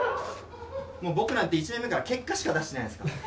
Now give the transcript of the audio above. もう僕なんて１年目から結果しか出してないですから。